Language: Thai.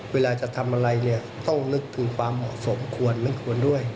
เวลาจะทำอะไรเนี่ยต้องนึกถึงความเหมาะสมควรไม่ควรด้วย